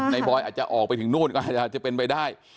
บอยอาจจะออกไปถึงนู่นก็อาจจะเป็นไปได้